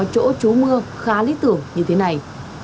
chỗ trú mưa khá lý tưởng như thế này